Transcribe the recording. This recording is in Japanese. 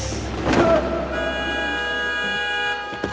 あっ！